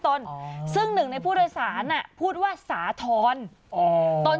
ตนซึ่งหนึ่งในผู้โดยสารอ่ะพูดว่าสาธรณ์อ๋อตน